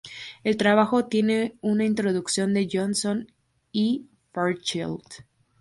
El trabajo tiene una introducción de Johnson E. Fairchild.